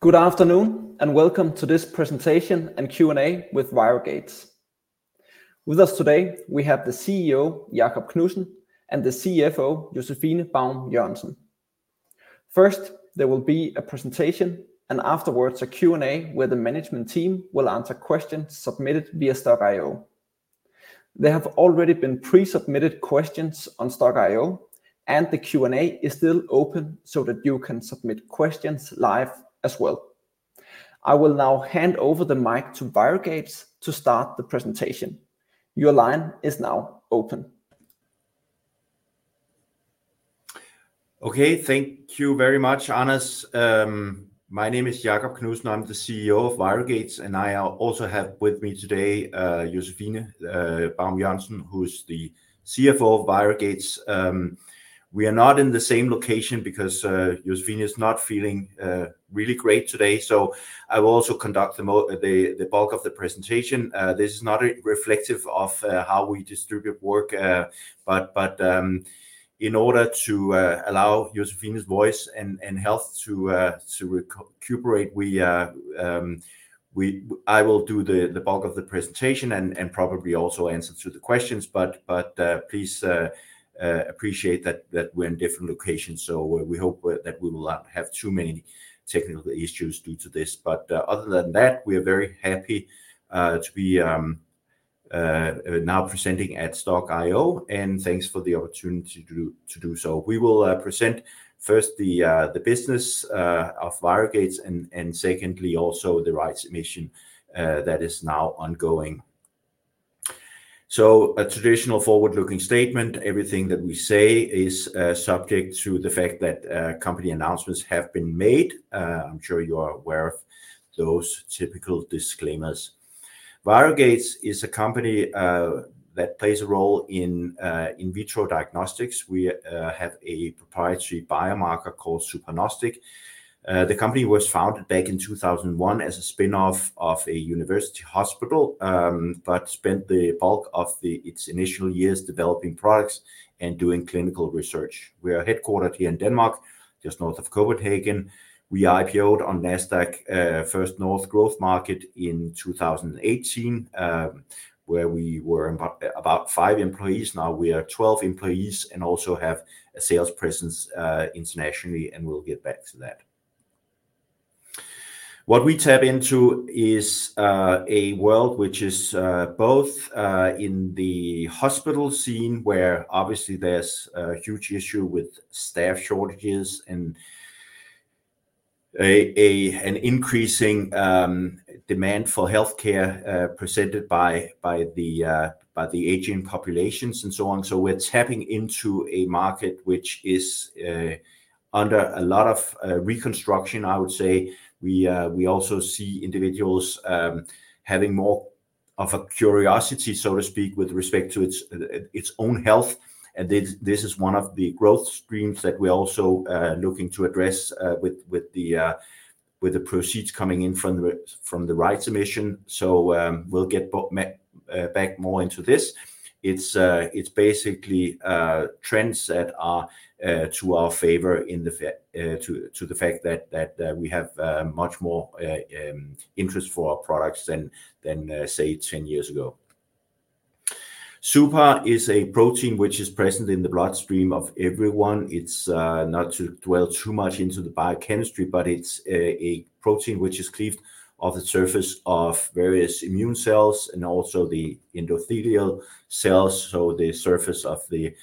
Good afternoon, and welcome to this presentation and Q&A with ViroGates. With us today, we have the CEO, Jakob Knudsen, and the CFO, Josephine Baum Jørgensen. First, there will be a presentation, and afterwards, a Q&A, where the management team will answer questions submitted via Stokk.io. There have already been pre-submitted questions on Stokk.io, and the Q&A is still open so that you can submit questions live as well. I will now hand over the mic to ViroGates to start the presentation. Your line is now open. Okay, thank you very much, Anders. My name is Jakob Knudsen, I'm the CEO of ViroGates, and I also have with me today, Josephine Baum Jørgensen, who's the CFO of ViroGates. We are not in the same location because Josephine is not feeling really great today, so I will also conduct the bulk of the presentation. This is not reflective of how we distribute work, but in order to allow Josephine's voice and health to recuperate, I will do the bulk of the presentation and probably also answer to the questions. Please appreciate that we're in different locations, so we hope that we will not have too many technical issues due to this. Other than that, we are very happy to be now presenting at Stokk.io, and thanks for the opportunity to do so. We will present first the business of ViroGates, and secondly, also the rights emission that is now ongoing. A traditional forward-looking statement, everything that we say is subject to the fact that company announcements have been made. I'm sure you are aware of those typical disclaimers. ViroGates is a company that plays a role in in vitro diagnostics. We have a proprietary biomarker called suPARnostic. The company was founded back in 2001 as a spinoff of a university hospital, but spent the bulk of its initial years developing products and doing clinical research. We are headquartered here in Denmark, just north of Copenhagen. We IPO'd on Nasdaq First North Growth Market in 2018, where we were about five employees. Now we are 12 employees and also have a sales presence internationally, and we'll get back to that. What we tap into is a world which is both in the hospital scene, where obviously there's a huge issue with staff shortages and an increasing demand for healthcare presented by the aging populations and so on. So we're tapping into a market which is under a lot of reconstruction, I would say. We also see individuals having more of a curiosity, so to speak, with respect to its own health, and this is one of the growth streams that we're also looking to address with the proceeds coming in from the rights emission. So, we'll get back more into this. It's basically trends that are to our favor in the fact that we have much more interest for our products than say 10 years ago. suPAR is a protein which is present in the bloodstream of everyone. It's not to dwell too much into the biochemistry, but it's a protein which is cleaved off the surface of various immune cells and also the endothelial cells, so the surface of the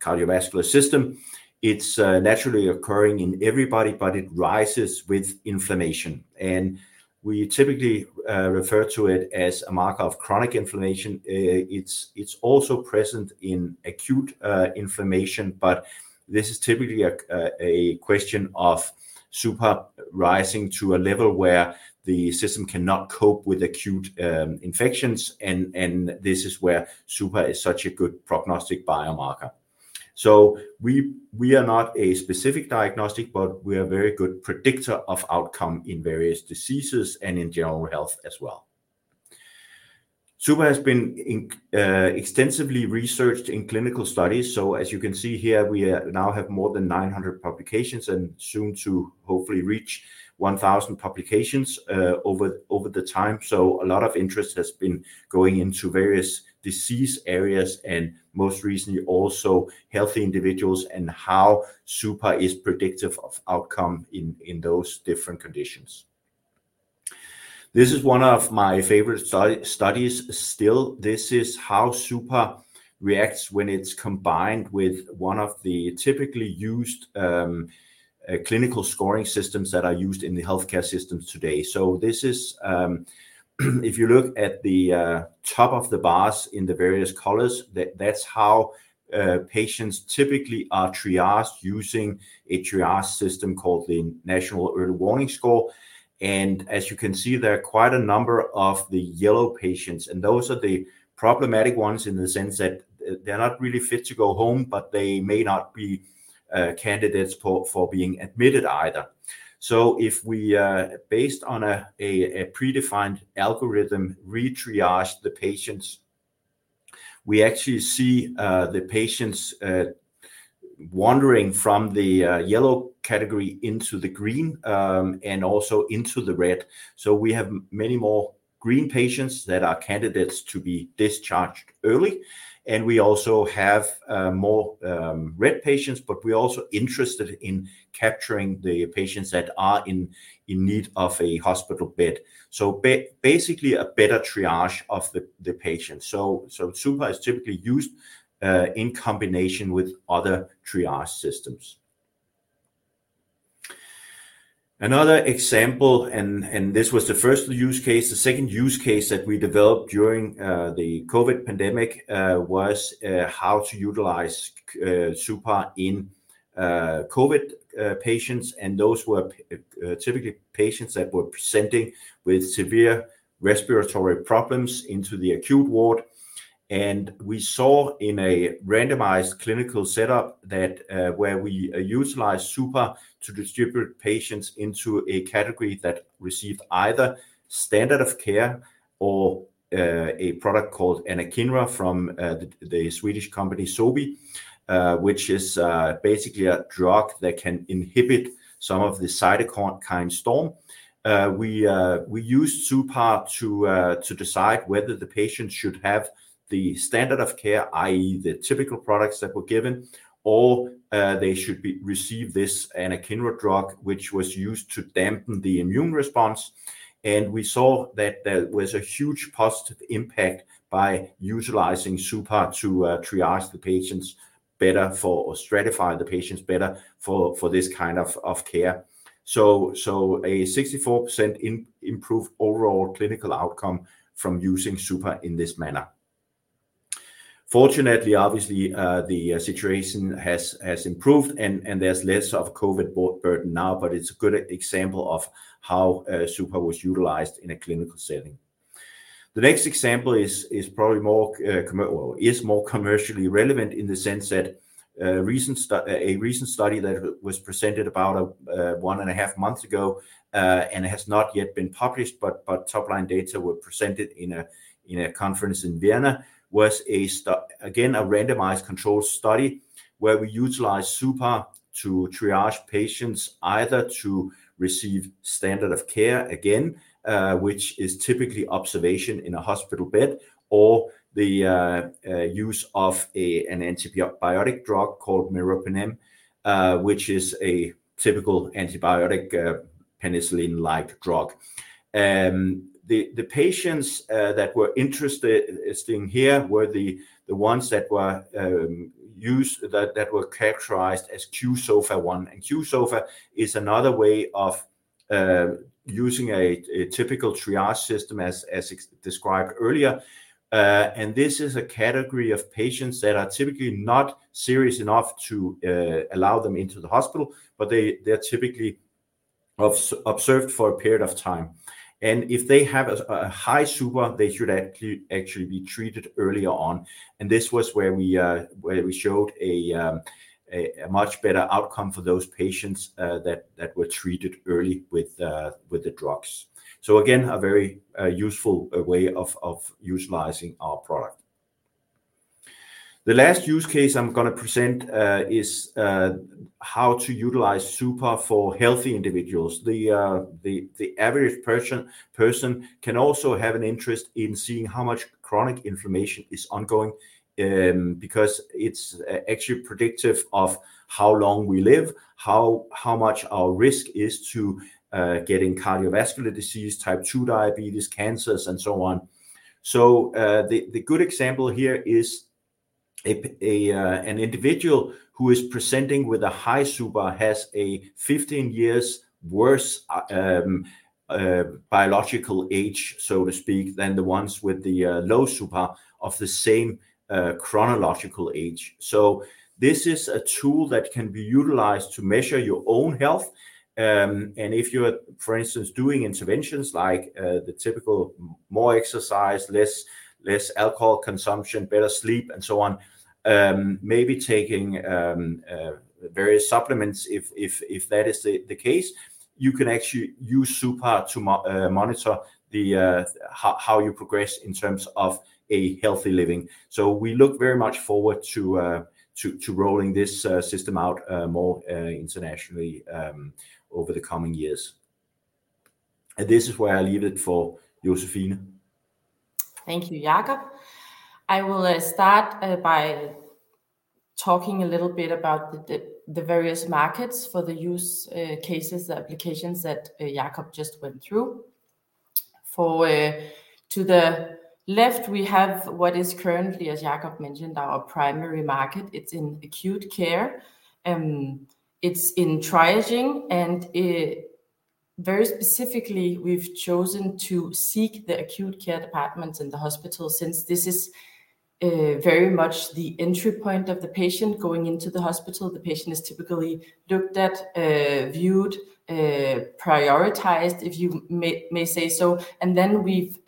cardiovascular system. It's naturally occurring in everybody, but it rises with inflammation, and we typically refer to it as a marker of chronic inflammation. It's also present in acute inflammation, but this is typically a question of suPAR rising to a level where the system cannot cope with acute infections, and this is where suPAR is such a good prognostic biomarker. So we are not a specific diagnostic, but we are a very good predictor of outcome in various diseases and in general health as well. suPAR has been extensively researched in clinical studies, so as you can see here, we now have more than 900 publications and soon to hopefully reach 1,000 publications over time. So a lot of interest has been going into various disease areas, and most recently, also healthy individuals and how suPAR is predictive of outcome in those different conditions. This is one of my favorite studies still. This is how suPAR reacts when it's combined with one of the typically used clinical scoring systems that are used in the healthcare systems today. So this is if you look at the top of the bars in the various colors, that's how patients typically are triaged using a triage system called the National Early Warning Score. As you can see, there are quite a number of the yellow patients, and those are the problematic ones in the sense that they're not really fit to go home, but they may not be candidates for being admitted either. So if we, based on a predefined algorithm, re-triaged the patients, we actually see the patients wandering from the yellow category into the green, and also into the red. So we have many more green patients that are candidates to be discharged early, and we also have more red patients, but we're also interested in capturing the patients that are in need of a hospital bed. So basically, a better triage of the patients. So suPAR is typically used in combination with other triage systems. Another example, and this was the first use case. The second use case that we developed during the COVID pandemic was how to utilize suPAR in COVID patients, and those were typically patients that were presenting with severe respiratory problems into the acute ward. And we saw in a randomized clinical setup that where we utilized suPAR to distribute patients into a category that received either standard of care or a product called anakinra from the Swedish company Sobi, which is basically a drug that can inhibit some of the cytokine storm. We used suPAR to decide whether the patient should have the standard of care, i.e., the typical products that were given, or they should receive this anakinra drug, which was used to dampen the immune response. We saw that there was a huge positive impact by utilizing suPAR to triage the patients better for... or stratify the patients better for this kind of care. So a 64% improved overall clinical outcome from using suPAR in this manner. Fortunately, obviously, the situation has improved, and there's less of COVID burden now, but it's a good example of how suPAR was utilized in a clinical setting. The next example is probably more, well, commercially relevant in the sense that a recent study that was presented about 1.5 months ago and has not yet been published, but top-line data were presented in a conference in Vienna, was again a randomized controlled study, where we utilized suPAR to triage patients either to receive standard of care again, which is typically observation in a hospital bed, or the use of an antibiotic drug called meropenem, which is a typical antibiotic, penicillin-like drug. The patients that were interested in here were the ones that were used that were characterized as qSOFA 1, and qSOFA is another way of using a typical triage system as described earlier. And this is a category of patients that are typically not serious enough to allow them into the hospital, but they are typically observed for a period of time, and if they have a high suPAR, they should actually be treated earlier on. And this was where we showed a much better outcome for those patients that were treated early with the drugs. So again, a very useful way of utilizing our product. The last use case I'm gonna present is how to utilize suPAR for healthy individuals. The average person can also have an interest in seeing how much chronic inflammation is ongoing, because it's actually predictive of how long we live, how much our risk is to getting cardiovascular disease, type 2 diabetes, cancers, and so on. So, the good example here is an individual who is presenting with a high suPAR has a 15 years worse biological age, so to speak, than the ones with the low suPAR of the same chronological age. So this is a tool that can be utilized to measure your own health. And if you are, for instance, doing interventions like, the typical more exercise, less alcohol consumption, better sleep, and so on, maybe taking various supplements, if that is the case, you can actually use suPAR to monitor how you progress in terms of a healthy living. So we look very much forward to rolling this system out more internationally over the coming years. And this is where I leave it for Josephine. Thank you, Jakob. I will start by talking a little bit about the various markets for the use cases, the applications that Jakob just went through. To the left, we have what is currently, as Jakob mentioned, our primary market. It's in acute care, it's in triaging, and very specifically, we've chosen to seek the acute care departments in the hospital since this is very much the entry point of the patient going into the hospital. The patient is typically looked at, viewed, prioritized, if you may say so. And then we've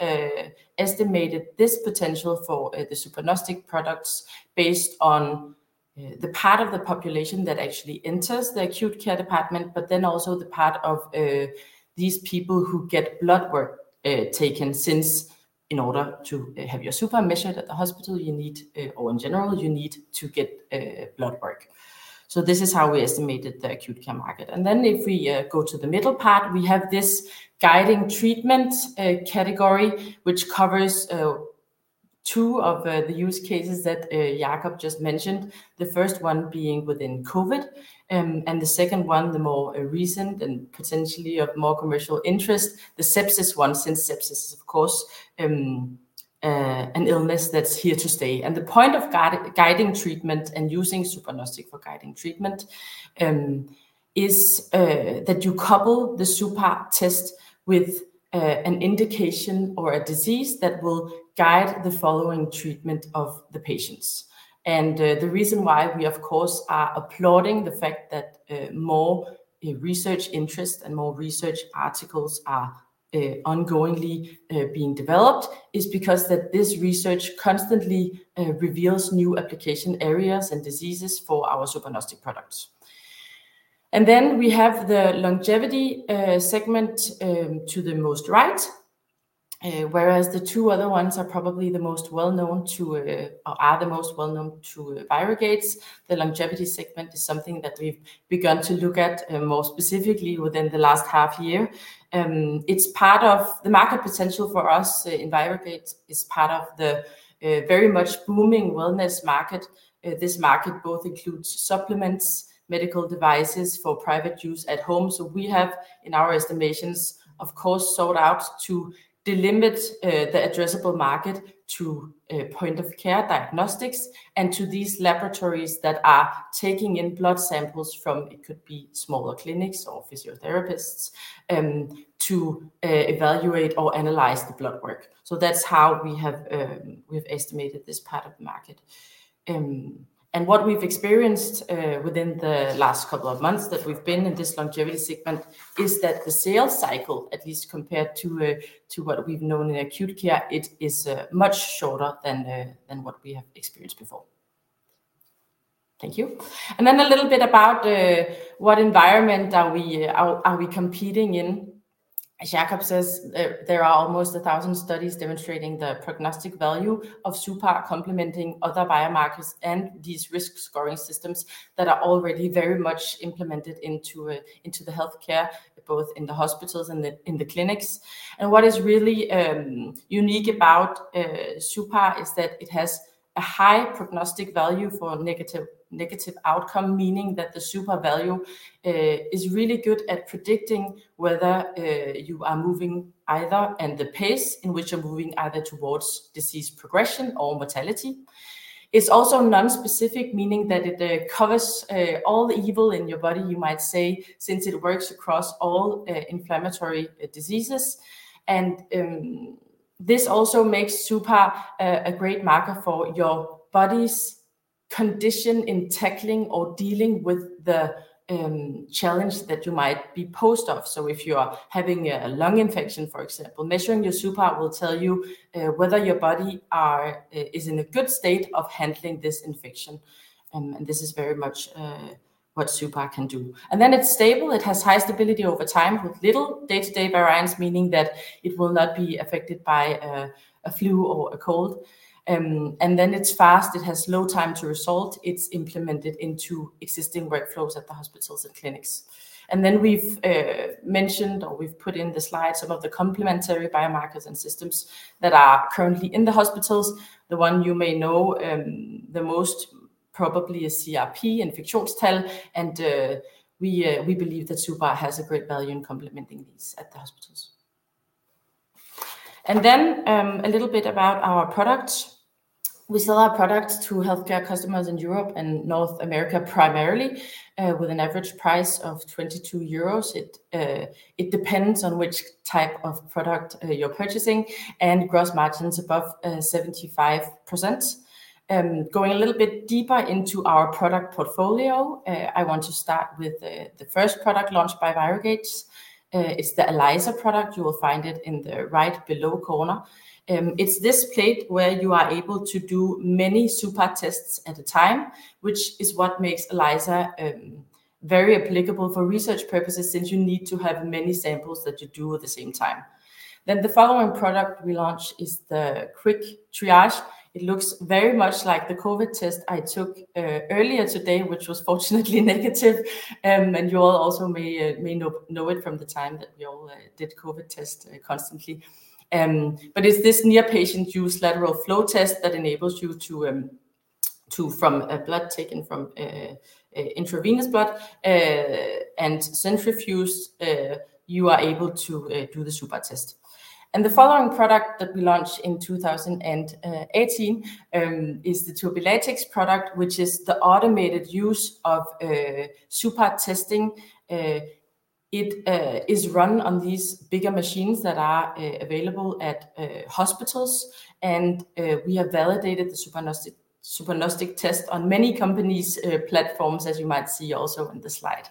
estimated this potential for the suPARnostic products based on the part of the population that actually enters the acute care department, but then also the part of these people who get blood work taken, since in order to have your suPAR measured at the hospital, you need, or in general, you need to get blood work. So this is how we estimated the acute care market. And then if we go to the middle part, we have this guiding treatment category, which covers two of the use cases that Jakob just mentioned. The first one being within COVID, and the second one, the more recent and potentially of more commercial interest, the sepsis one, since sepsis is, of course, an illness that's here to stay. And the point of guiding treatment and using suPARnostic® for guiding treatment is that you couple the suPAR test with an indication or a disease that will guide the following treatment of the patients. And the reason why we, of course, are applauding the fact that more research interest and more research articles are ongoingly being developed is because that this research constantly reveals new application areas and diseases for our suPARnostic® products. And then we have the longevity segment to the most right whereas the two other ones are probably the most well-known to or are the most well-known to ViroGates. The longevity segment is something that we've begun to look at more specifically within the last half year. It's part of the market potential for us in ViroGates, is part of the very much booming wellness market. This market both includes supplements, medical devices for private use at home. So we have, in our estimations, of course, sought out to delimit the addressable market to point-of-care diagnostics and to these laboratories that are taking in blood samples from, it could be smaller clinics or physiotherapists, to evaluate or analyze the blood work. So that's how we've estimated this part of the market. And what we've experienced within the last couple of months that we've been in this longevity segment, is that the sales cycle, at least compared to what we've known in acute care, it is much shorter than what we have experienced before. Thank you. Then a little bit about what environment are we competing in? As Jakob says, there are almost 1,000 studies demonstrating the prognostic value of suPAR complementing other biomarkers and these risk scoring systems that are already very much implemented into the healthcare, both in the hospitals and in the clinics. What is really unique about suPAR is that it has a high prognostic value for negative outcome, meaning that the suPAR value is really good at predicting whether you are moving either, and the pace in which you're moving either towards disease progression or mortality. It's also non-specific, meaning that it covers all the evil in your body, you might say, since it works across all inflammatory diseases. This also makes suPAR a great marker for your body's condition in tackling or dealing with the challenge that you might be posed of. So if you are having a lung infection, for example, measuring your suPAR will tell you whether your body are, is in a good state of handling this infection. And this is very much what suPAR can do. And then it's stable. It has high stability over time with little day-to-day variance, meaning that it will not be affected by a flu or a cold. And then it's fast, it has low time to result. It's implemented into existing workflows at the hospitals and clinics. And then we've mentioned, or we've put in the slide some of the complementary biomarkers and systems that are currently in the hospitals. The one you may know, the most probably is CRP, infectionstal, and we believe that suPAR has a great value in complementing these at the hospitals. Then, a little bit about our product. We sell our product to healthcare customers in Europe and North America, primarily, with an average price of 22 euros. It depends on which type of product you're purchasing, and gross margins above 75%. Going a little bit deeper into our product portfolio, I want to start with the first product launched by ViroGates. It's the ELISA product. You will find it in the right below corner. It's this plate where you are able to do many suPAR tests at a time, which is what makes ELISA very applicable for research purposes, since you need to have many samples that you do at the same time. Then the following product we launch is the Quick Triage. It looks very much like the COVID test I took earlier today, which was fortunately negative. And you all also may know it from the time that we all did COVID test constantly. But it's this near-patient use, lateral flow test that enables you to from a blood taken from intravenous blood and centrifuge you are able to do the suPAR test. The following product that we launched in 2018 is the TurbiLatex product, which is the automated use of suPAR testing. It is run on these bigger machines that are available at hospitals, and we have validated the suPARnostic test on many companies' platforms, as you might see also on the slide.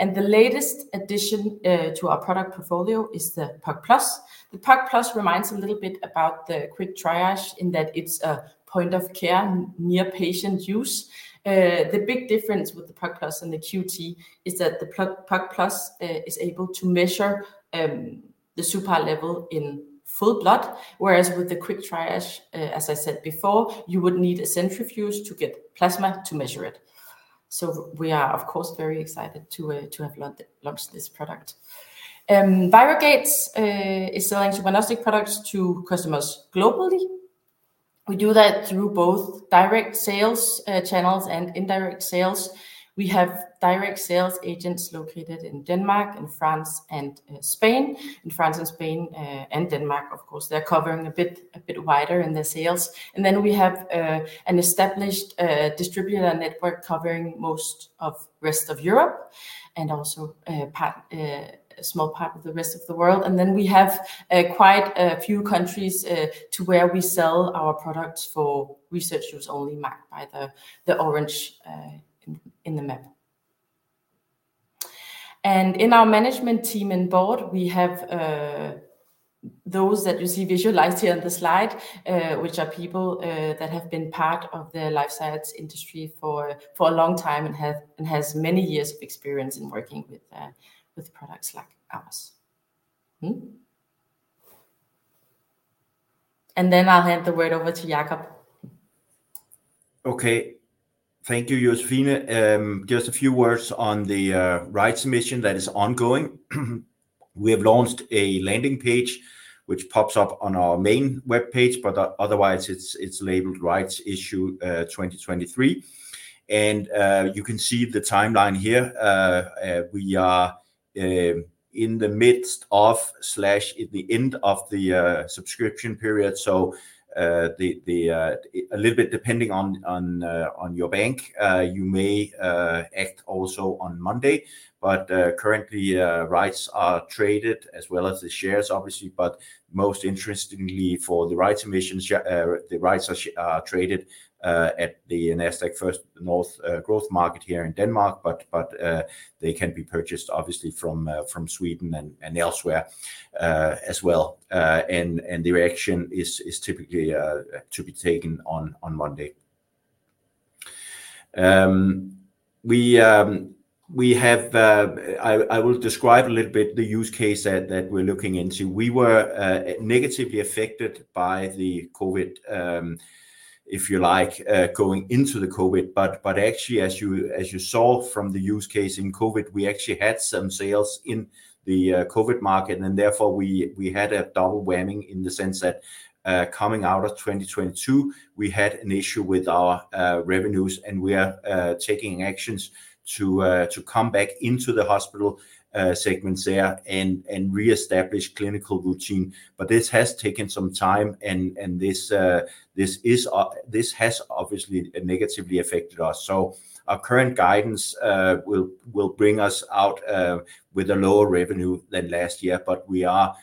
The latest addition to our product portfolio is the POC+. The POC+ reminds a little bit about the Quick Triage in that it's a point-of-care, near-patient use. The big difference with the POC+ and the QT is that the POC+ is able to measure the suPAR level in full blood, whereas with the Quick Triage, as I said before, you would need a centrifuge to get plasma to measure it. So we are, of course, very excited to have launched this product. ViroGates is selling suPARnostic products to customers globally. We do that through both direct sales channels and indirect sales. We have direct sales agents located in Denmark and France and Spain. In France and Spain and Denmark, of course, they're covering a bit wider in their sales. And then we have an established distributor network covering most of rest of Europe and also a small part of the rest of the world. And then we have quite a few countries to where we sell our products for researchers only, marked by the orange in the map. In our management team and board, we have those that you see visualized here on the slide, which are people that have been part of the life science industry for a long time, and have and has many years of experience in working with products like ours. Mm. Then I'll hand the word over to Jakob. Okay. Thank you, Josephine. Just a few words on the rights issue that is ongoing. We have launched a landing page, which pops up on our main webpage, but otherwise, it's labeled Rights Issue 2023. You can see the timeline here. We are in the midst of or at the end of the subscription period. So, a little bit depending on your bank, you may act also on Monday, but currently, rights are traded as well as the shares, obviously. But most interestingly, for the rights issue, the rights are traded at the Nasdaq First North Growth Market here in Denmark, but they can be purchased, obviously, from Sweden and elsewhere as well. And the action is typically to be taken on Monday. We have. I will describe a little bit the use case that we're looking into. We were negatively affected by the COVID, if you like, going into the COVID, but actually, as you saw from the use case in COVID, we actually had some sales in the COVID market, and therefore, we had a double whammy in the sense that, coming out of 2022, we had an issue with our revenues, and we are taking actions to come back into the hospital segments there and reestablish clinical routine. But this has taken some time, and this has obviously negatively affected us. So our current guidance will bring us out with a lower revenue than last year, but we are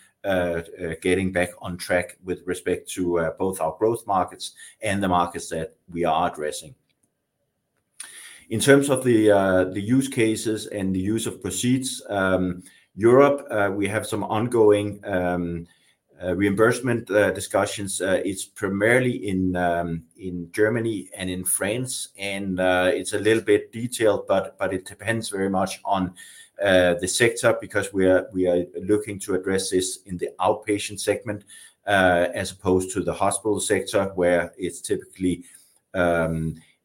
getting back on track with respect to both our growth markets and the markets that we are addressing. In terms of the use cases and the use of proceeds, Europe, we have some ongoing reimbursement discussions. It's primarily in Germany and in France, and it's a little bit detailed, but it depends very much on the sector because we are looking to address this in the outpatient segment as opposed to the hospital sector, where it's typically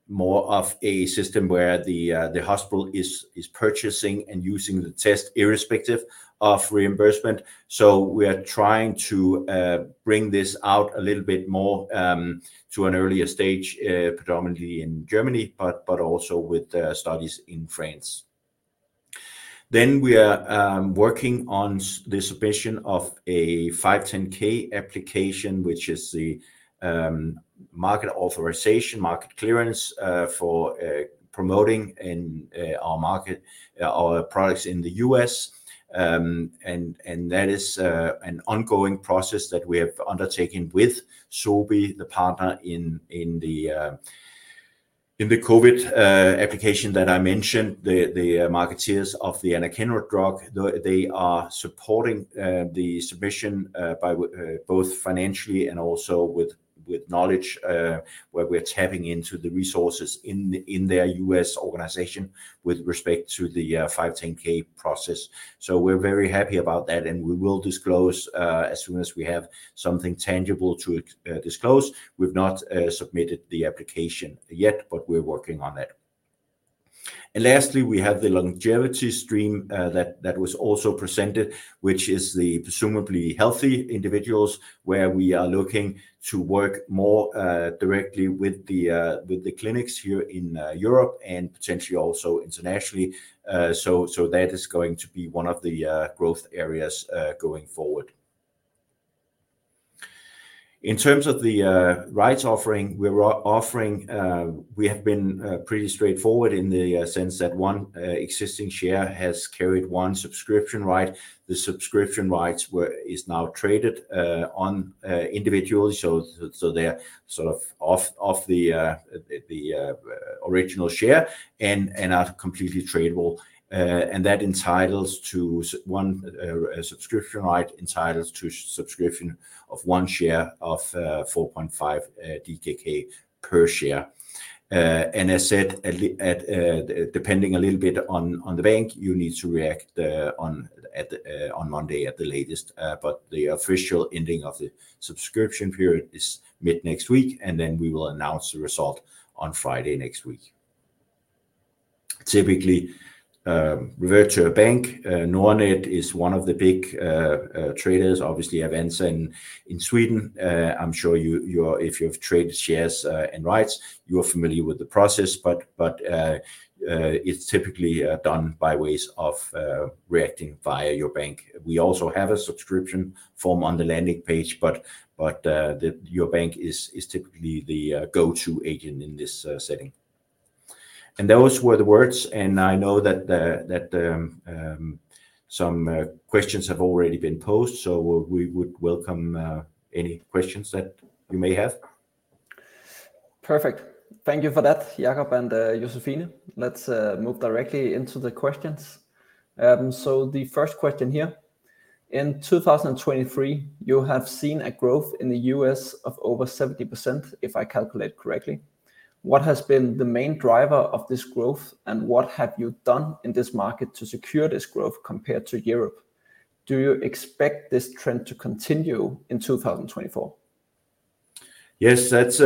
more of a system where the hospital is purchasing and using the test, irrespective of reimbursement. So we are trying to bring this out a little bit more to an earlier stage, predominantly in Germany, but also with the studies in France. Then we are working on the submission of a 510(k) application, which is the market authorization, market clearance for promoting in our market our products in the US. And that is an ongoing process that we have undertaken with Sobi, the partner in the COVID application that I mentioned, the marketeers of the anakinra drug. They are supporting the submission by both financially and also with knowledge, where we're tapping into the resources in their US organization with respect to the 510(k) process. So we're very happy about that, and we will disclose as soon as we have something tangible to disclose. We've not submitted the application yet, but we're working on that. And lastly, we have the longevity stream that was also presented, which is the presumably healthy individuals, where we are looking to work more directly with the clinics here in Europe and potentially also internationally. So that is going to be one of the growth areas going forward. In terms of the rights offering, we're offering, we have been pretty straightforward in the sense that one existing share has carried one subscription right. The subscription rights is now traded on individually. So they're sort of off the original share and are completely tradable. And that entitles to one subscription right, entitles to subscription of one share of 4.5 DKK per share. And as said, at least, depending a little bit on the bank, you need to react on Monday at the latest. But the official ending of the subscription period is mid-next week, and then we will announce the result on Friday next week. Typically, refer to a bank. Nordnet is one of the big traders, obviously, Avanza in Sweden. I'm sure you're, if you've traded shares and rights, you are familiar with the process, but it's typically done by ways of reacting via your bank. We also have a subscription form on the landing page, but your bank is typically the go-to agent in this setting. And those were the words, and I know that some questions have already been posed, so we would welcome any questions that you may have. Perfect. Thank you for that, Jakob and Josephine. Let's move directly into the questions. The first question here: in 2023, you have seen a growth in the U.S. of over 70%, if I calculate correctly. What has been the main driver of this growth, and what have you done in this market to secure this growth compared to Europe? Do you expect this trend to continue in 2024? Yes, that's,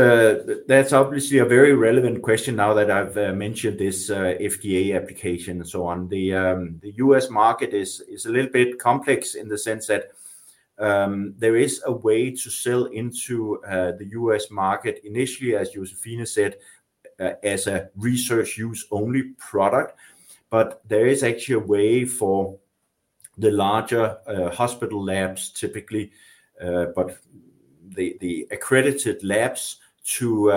that's obviously a very relevant question now that I've mentioned this, FDA application and so on. The U.S. market is, is a little bit complex in the sense that, there is a way to sell into, the U.S. market initially, as Josephine said, as a research use only product. But there is actually a way for the larger, hospital labs, typically, but the, the accredited labs to,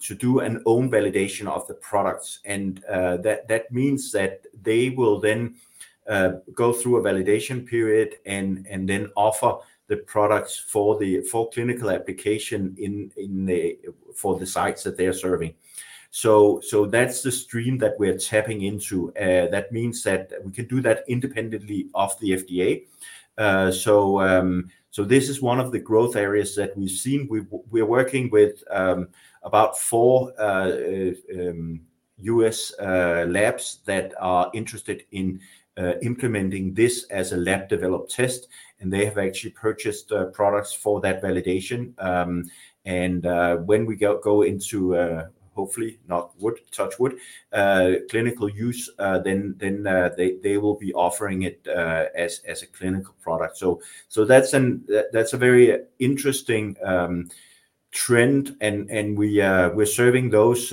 to do an own validation of the products. That means that they will then, go through a validation period and, and then offer the products for clinical application in the sites that they are serving. So, that's the stream that we're tapping into. That means that we can do that independently of the FDA. So this is one of the growth areas that we've seen. We're working with about four U.S. labs that are interested in implementing this as a lab-developed test, and they have actually purchased the products for that validation. And when we go into, hopefully, knock wood, touch wood, clinical use, then they will be offering it as a clinical product. So that's a very interesting trend and we're serving those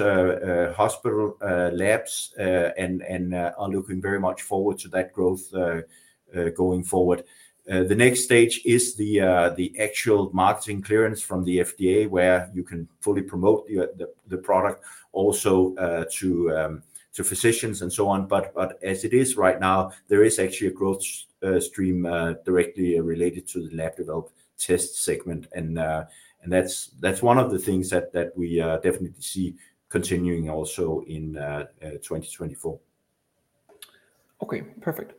hospital labs and are looking very much forward to that growth going forward. The next stage is the actual marketing clearance from the FDA, where you can fully promote the product also to physicians and so on. But as it is right now, there is actually a growth stream directly related to the lab-developed test segment, and that's one of the things that we definitely see continuing also in 2024. Okay, perfect.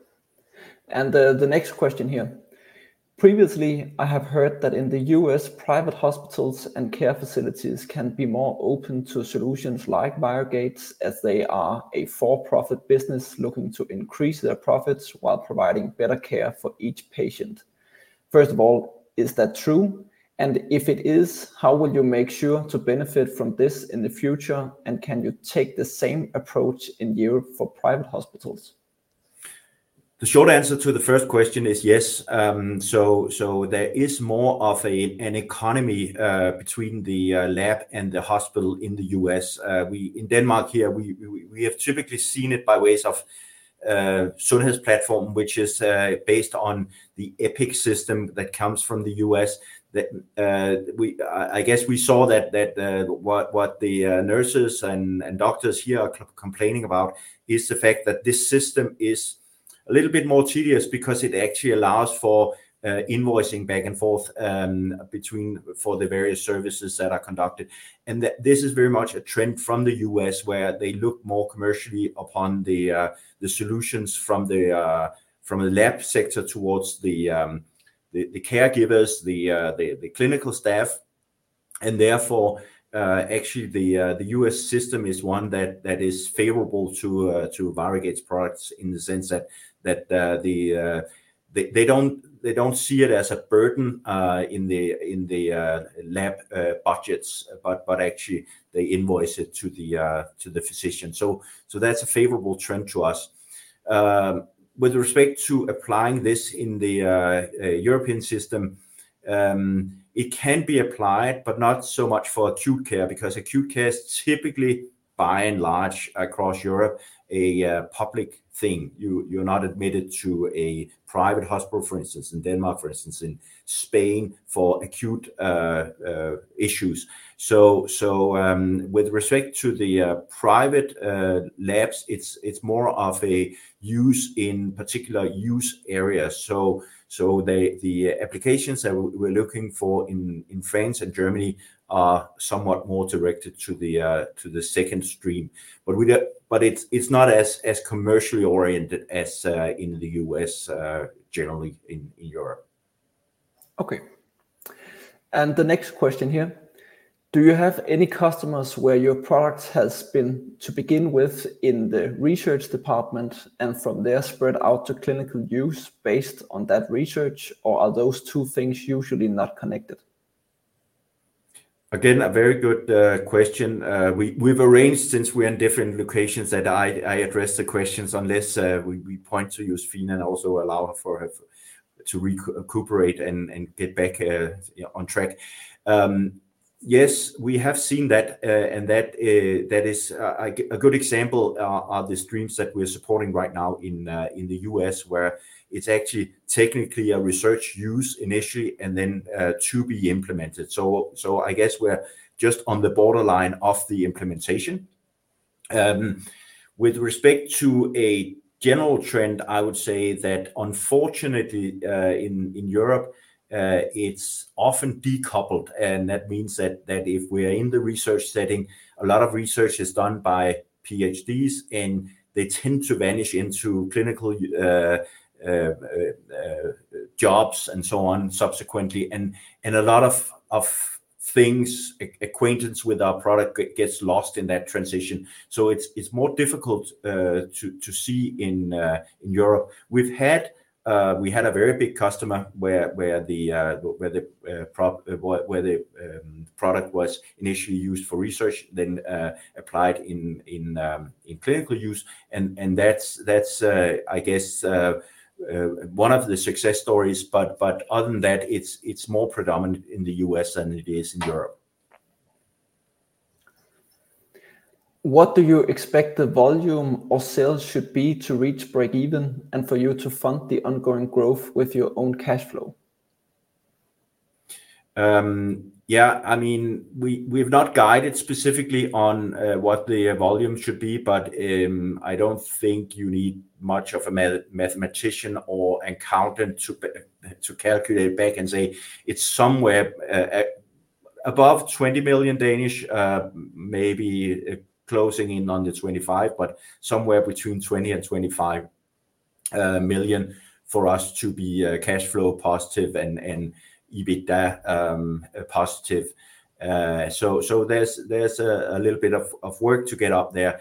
And the next question here: previously, I have heard that in the U.S., private hospitals and care facilities can be more open to solutions like ViroGates', as they are a for-profit business looking to increase their profits while providing better care for each patient. First of all, is that true? And if it is, how will you make sure to benefit from this in the future, and can you take the same approach in Europe for private hospitals? The short answer to the first question is yes. So, there is more of an economy between the lab and the hospital in the U.S. We in Denmark here have typically seen it by ways of Sundhedsplatform, which is based on the Epic system that comes from the U.S., that I guess we saw that what the nurses and doctors here are complaining about is the fact that this system is a little bit more tedious because it actually allows for invoicing back and forth between for the various services that are conducted. That this is very much a trend from the U.S., where they look more commercially upon the solutions from the lab sector towards the caregivers, the clinical staff. And therefore, actually the U.S. system is one that is favorable to ViroGates products in the sense that they don't see it as a burden in the lab budgets, but actually they invoice it to the physician. So that's a favorable trend to us. With respect to applying this in the European system, it can be applied, but not so much for acute care, because acute care is typically, by and large, across Europe, a public thing. You're not admitted to a private hospital, for instance, in Denmark, for instance, in Spain, for acute issues. So, with respect to the private labs, it's more of a use in particular use areas. So, the applications that we're looking for in France and Germany are somewhat more directed to the second stream. But we don't—but it's not as commercially oriented as in the U.S., generally in Europe. Okay. The next question here: Do you have any customers where your product has been to begin with in the research department and from there spread out to clinical use based on that research, or are those two things usually not connected? Again, a very good question. We've arranged, since we're in different locations, that I address the questions unless we point to Josephine and also allow for her to recuperate and get back on track. Yes, we have seen that, and that is a good example are the streams that we're supporting right now in the U.S., where it's actually technically a research use initially and then to be implemented. So I guess we're just on the borderline of the implementation. With respect to a general trend, I would say that unfortunately, in Europe, it's often decoupled, and that means that if we are in the research setting, a lot of research is done by PhDs, and they tend to vanish into clinical jobs and so on subsequently, and a lot of acquaintance with our product gets lost in that transition. So it's more difficult to see in Europe. We had a very big customer where the product was initially used for research, then applied in clinical use. And that's, I guess, one of the success stories, but other than that, it's more predominant in the U.S. than it is in Europe. What do you expect the volume of sales should be to reach break even, and for you to fund the ongoing growth with your own cash flow? Yeah, I mean, we've not guided specifically on what the volume should be, but I don't think you need much of a mathematician or accountant to calculate back and say it's somewhere above 20 million, maybe closing in on the 25, but somewhere between 20 and 25 million for us to be cash flow positive and EBITDA positive. So there's a little bit of work to get up there.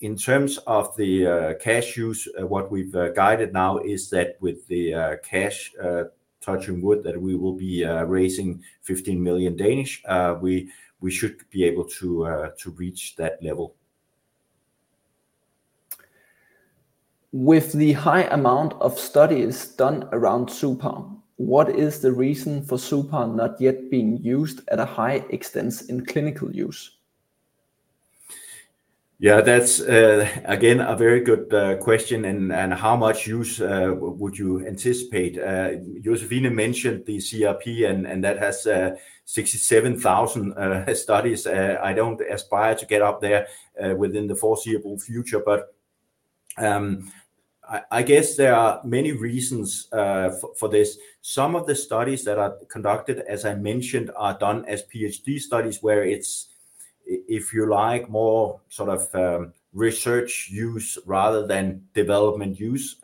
In terms of the cash use, what we've guided now is that with the cash, touching wood, that we will be raising 15 million, we should be able to reach that level. With the high amount of studies done around suPAR, what is the reason for suPAR not yet being used at a high extent in clinical use? Yeah, that's again a very good question, and how much use would you anticipate? Josephine mentioned the CRP and that has 67,000 studies. I don't aspire to get up there within the foreseeable future, but I guess there are many reasons for this. Some of the studies that are conducted, as I mentioned, are done as PhD studies, where it's, if you like, more sort of research use rather than development use.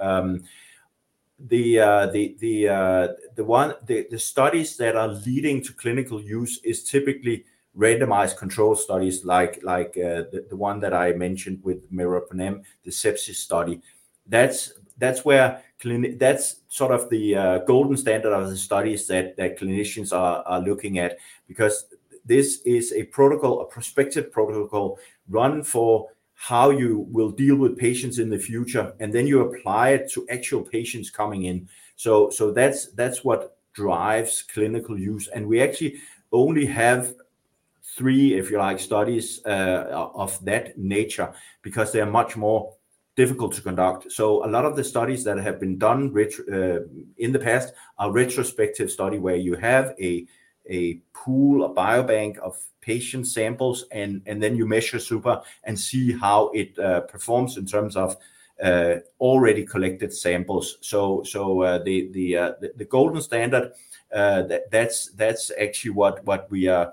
The studies that are leading to clinical use is typically randomized controlled studies, like the one that I mentioned with meropenem, the sepsis study. That's, that's where clinical—that's sort of the golden standard of the studies that, that clinicians are, are looking at, because this is a protocol, a prospective protocol run for how you will deal with patients in the future, and then you apply it to actual patients coming in. So, so that's, that's what drives clinical use. And we actually only have three, if you like, studies of that nature because they are much more difficult to conduct. So a lot of the studies that have been done, which in the past are retrospective study, where you have a, a pool, a biobank of patient samples, and, and then you measure suPAR and see how it performs in terms of already collected samples. So, so the golden standard, that's, that's actually what, what we are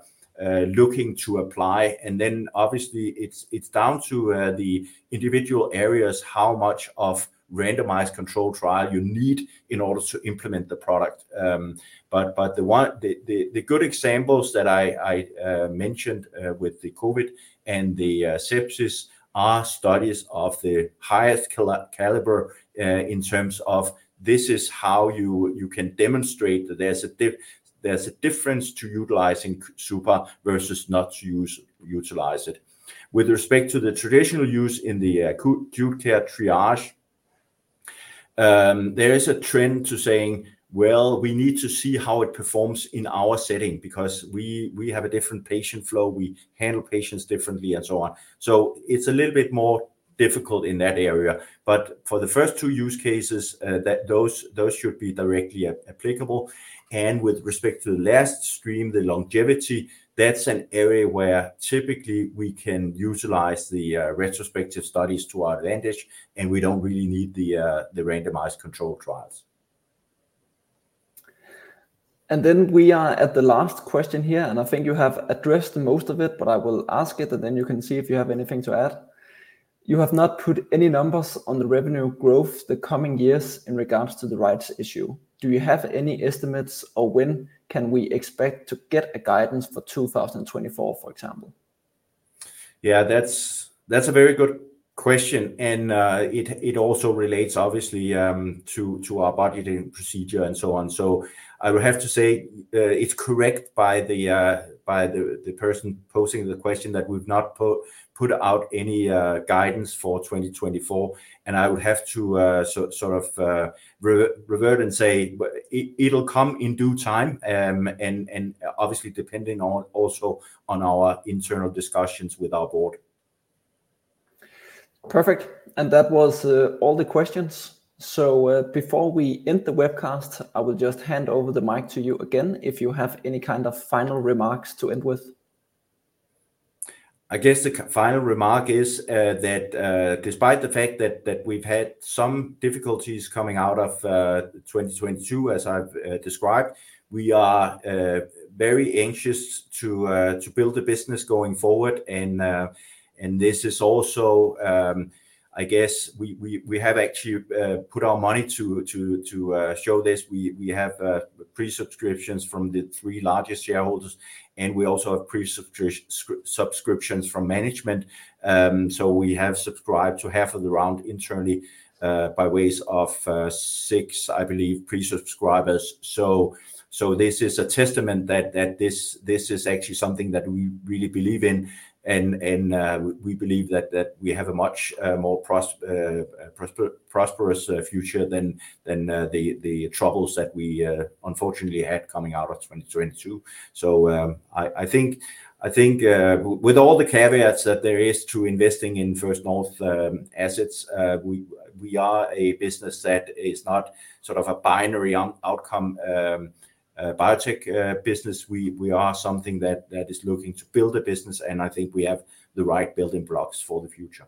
looking to apply. And then obviously, it's down to the individual areas, how much of randomized controlled trial you need in order to implement the product. But the good examples that I mentioned with the COVID and the sepsis are studies of the highest caliber in terms of this is how you can demonstrate that there's a difference to utilizing suPAR versus not utilizing it. With respect to the traditional use in the acute care triage, there is a trend to saying, "Well, we need to see how it performs in our setting, because we have a different patient flow, we handle patients differently," and so on. So it's a little bit more difficult in that area. But for the first two use cases, those should be directly applicable. And with respect to the last stream, the longevity, that's an area where typically we can utilize the retrospective studies to our advantage, and we don't really need the randomized controlled trials. Then we are at the last question here, and I think you have addressed the most of it, but I will ask it, and then you can see if you have anything to add. You have not put any numbers on the revenue growth the coming years in regards to the rights issue. Do you have any estimates, or when can we expect to get a guidance for 2024, for example? Yeah, that's a very good question, and it also relates obviously to our budgeting procedure and so on. So I would have to say it's correct by the person posing the question that we've not put out any guidance for 2024, and I would have to sort of revert and say it'll come in due time. And obviously, depending on also on our internal discussions with our board. Perfect. That was all the questions. Before we end the webcast, I will just hand over the mic to you again if you have any kind of final remarks to end with. I guess the final remark is, that despite the fact that we've had some difficulties coming out of 2022, as I've described, we are very anxious to build a business going forward. And this is also... I guess we have actually put our money to show this. We have pre-subscriptions from the three largest shareholders, and we also have pre-subscriptions from management. So we have subscribed to half of the round internally, by way of six, I believe, pre-subscribers. So, this is a testament that this is actually something that we really believe in, and we believe that we have a much more prosperous future than the troubles that we unfortunately had coming out of 2022. So, I think, with all the caveats that there is to investing in First North assets, we are a business that is not sort of a binary outcome biotech business. We are something that is looking to build a business, and I think we have the right building blocks for the future.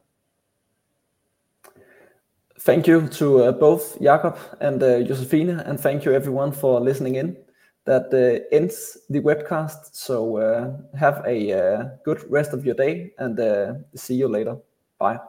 Thank you to both Jakob and Josephine, and thank you everyone for listening in. That ends the webcast, so have a good rest of your day, and see you later. Bye.